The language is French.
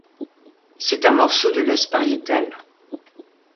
C'est un morceau de l'os pariétal.